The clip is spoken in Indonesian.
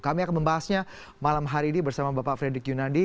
kami akan membahasnya malam hari ini bersama bapak fredrik yunadi